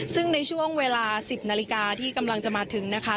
ซึ่งในช่วงเวลา๑๐นาฬิกาที่กำลังจะมาถึงนะคะ